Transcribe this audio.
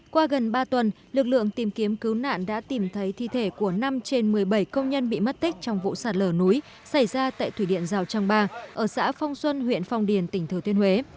qua gần ba tuần lực lượng tìm kiếm cứu nạn đã tìm thấy thi thể của năm trên một mươi bảy công nhân bị mất tích trong vụ sạt lở núi xảy ra tại thủy điện rào trang ba ở xã phong xuân huyện phong điền tỉnh thừa thiên huế